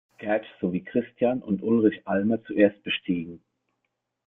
Gertsch sowie Christian und Ulrich Almer zuerst bestiegen.